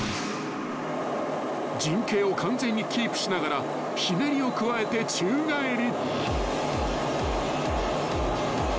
［陣形を完全にキープしながらひねりを加えて宙返り］